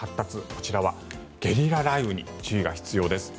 こちらはゲリラ雷雨に注意が必要です。